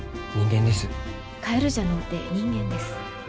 「カエルじゃのうて人間です」。